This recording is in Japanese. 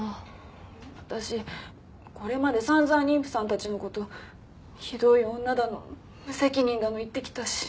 私これまで散々妊婦さんたちの事ひどい女だの無責任だの言ってきたし。